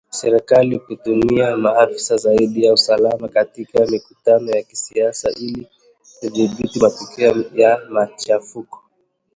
Serikali kutumia maafisa zaidi wa usalama katika mikutano ya kisiasa ili kudhibiti matukio ya machafuko